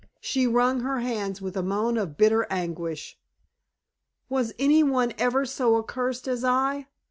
She wrung her hands with a moan of bitter anguish. "Was any one ever so accursed as I?"